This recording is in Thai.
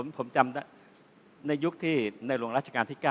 ผมจำได้ในยุคที่ในหลวงราชการที่๙